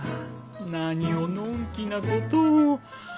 何をのんきなことを。